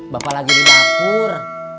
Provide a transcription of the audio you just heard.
bapak lagi di dapur